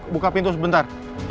buka pintu sebentar